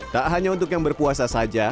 tak hanya untuk yang berpuasa saja